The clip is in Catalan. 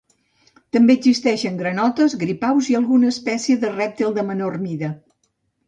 També existeixen granotes, gripaus i alguna espècie de rèptil de menor mida.